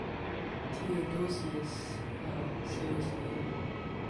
Theodosius fell seriously ill.